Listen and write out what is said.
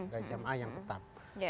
dari jamaah yang tetap